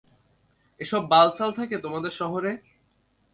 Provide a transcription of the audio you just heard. এসব বালছাল থাকে তোমাদের শহরে?